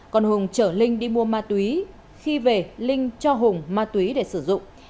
còn hùng chở linh đi mua ma túy khi về linh cho hùng ma túy để sử dụng